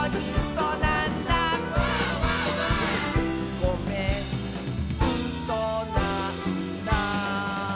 「ごめんうそなんだ」